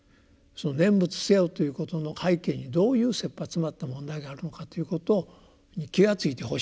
その念仏せよということの背景にどういうせっぱ詰まった問題があるのかということに気がついてほしいと。